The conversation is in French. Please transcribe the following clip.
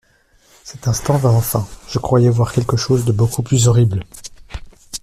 Cet instant vint enfin : je croyais voir quelque chose de beaucoup plus horrible.